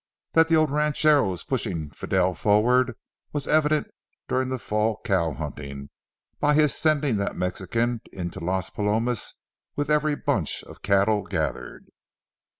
That the old ranchero was pushing Fidel forward was evident during the fall cow hunting by his sending that Mexican into Las Palomas with every bunch of cattle gathered.